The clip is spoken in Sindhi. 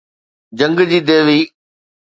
جنگ جي ديوي